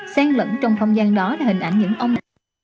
xen lẫn trong không gian đó là hình ảnh những ông nạn